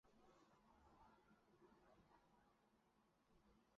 阿哈尔卡拉基是格鲁吉亚一座亚美尼亚人占多数的城市。